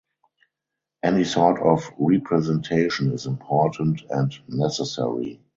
Any sort of representation is important and necessary.